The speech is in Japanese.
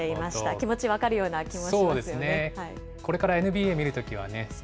気持ち、分かるような気もしますよね。